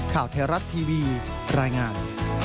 ข่าวเทราตร์ทีวีรายงาน